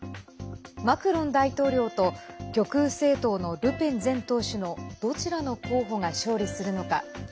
マクロン大統領と極右政党のルペン前党首のどちらの候補が勝利するのか。